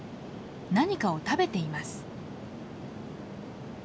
何かを食べています。